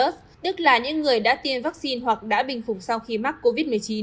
tức là những người đã tiêm vaccine hoặc đã bình phục sau khi mắc covid một mươi chín